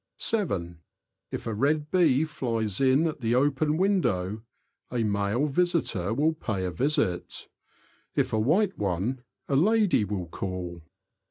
(7.) If a red bee flies in at the open window, a male visitor will pay a visit; if a white one, a lady will call.